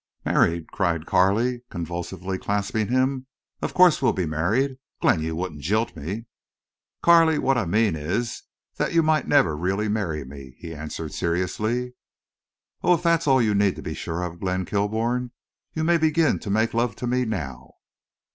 "Married!" cried Carley, convulsively clasping him. "Of course we'll be married. Glenn, you wouldn't jilt me?" "Carley, what I mean is that you might never really marry me," he answered, seriously. "Oh, if that's all you need be sure of, Glenn Kilbourne, you may begin to make love to me now."